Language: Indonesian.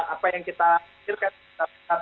apa yang kita pikirkan